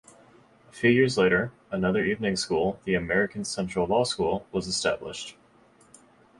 A few years later, another evening school, the American Central Law School, was established.